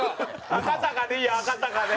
赤坂でいいよ赤坂で！